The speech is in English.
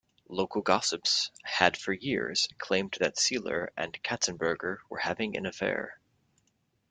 Local gossips had for years claimed that Seiler and Katzenberger were having an affair.